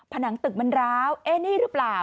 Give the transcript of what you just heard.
ผนังตึกมันร้าวเอ๊ะนี่หรือเปล่า